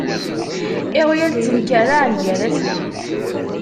Iɣyal ttemkerraɛen gar-sen.